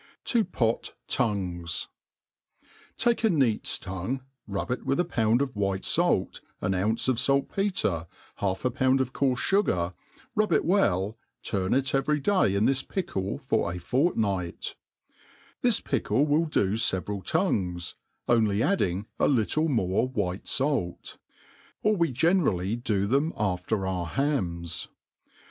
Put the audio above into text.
26o THE ART OF COOKERY To pet Tongues, TAKE a nett*8 tongue, rub ie with a pound of white falr^ •n ounce of f^t petre, half a pound of coarfe fugar, rub it wrlF^. (urn it every day in thi< pickle for a fortnight. This pickle will do feveral tongues, only adding a Kttie more white fait $ or we generaHy do them after our hams.